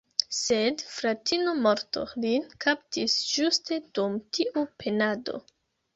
Sed "fratino morto" lin kaptis ĝuste dum tiu penado.